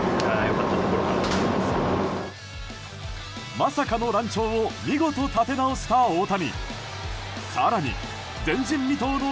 まさかの乱調を見事、立て直した大谷。